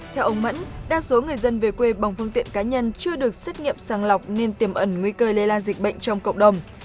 theo ông mẫn đa số người dân về quê bằng phương tiện cá nhân chưa được xét nghiệm sàng lọc nên tiềm ẩn nguy cơ lây lan dịch bệnh trong cộng đồng